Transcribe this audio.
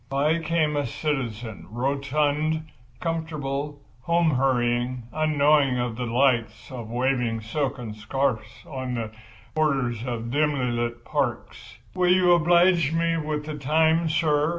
By came a citizen, rotund, comfortable, home hurrying, unknowing of the delights of waving silken scarfs on the borders of dimly lit parks. "Will you oblige me with the time, sir?"